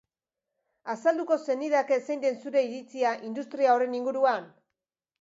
Azalduko zenidake zein den zure iritzia industria horren inguruan?